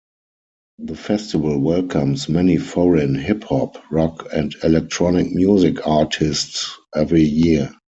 The festival welcomes many foreign hip-hop, rock and electronic music artists every year.